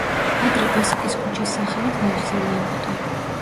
ადრე ბესიკის ქუჩის სახელით მოიხსენიებოდა.